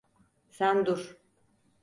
Sen dur.